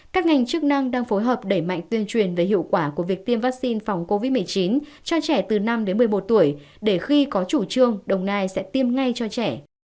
các ngành chức năng đang phối hợp đẩy mạnh tuyên truyền về hiệu quả của việc tiêm vaccine phòng covid một mươi chín cho trẻ từ năm đến một mươi một tuổi để khi có chủ trương đồng nai sẽ tiêm ngay cho trẻ